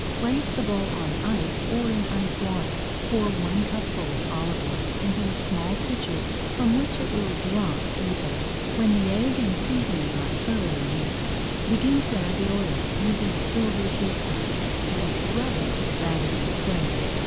Place the bowl on ice or in ice water. Pour one cupful of olive oil into a small pitcher from which it will drop easily. When the egg and seasoning are thoroughly mixed, begin to add the oil, using a silver teaspoon, and rubbing rather than stirring.